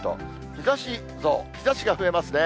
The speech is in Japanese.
日ざし増、日ざしが増えますね。